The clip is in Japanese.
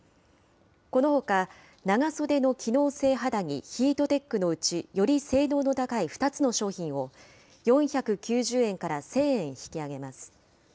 このほか、長袖の機能性肌着、ヒートテックのうち、より性能の高い２つの商品を、４９０円から１０００円引き上げます。